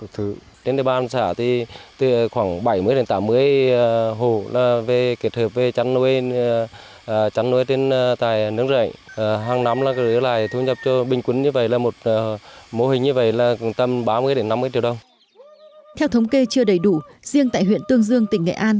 theo thống kê chưa đầy đủ riêng tại huyện tương dương tỉnh nghệ an